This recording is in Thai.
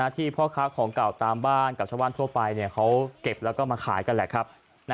พ่อค้าของเก่าตามบ้านกับชาวบ้านทั่วไปเขาเก็บแล้วก็มาขายกันแหละครับ